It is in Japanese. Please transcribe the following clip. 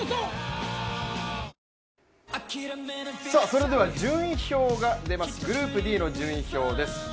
それでは順位表が出ますグループＤの順位表です。